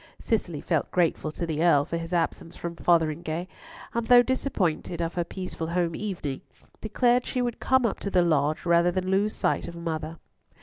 Cicely felt grateful to the Earl for his absence from Fotheringhay, and, though disappointed of her peaceful home evening, declared she would come up to the Lodge rather than lose sight of "mother."